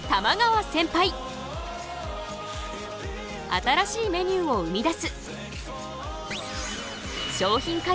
新しいメニューを生み出す！